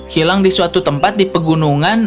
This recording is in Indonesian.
hilang di suatu tempat di pegunungan